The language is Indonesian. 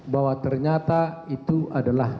bahwa ternyata itu adalah